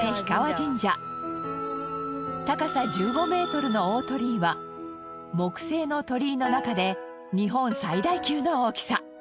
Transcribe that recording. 高さ１５メートルの大鳥居は木製の鳥居の中で日本最大級の大きさ。